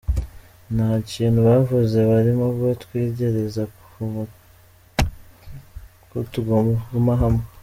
Nta kintu bavuze, barimo batwitegereza ko tuguma hamwe.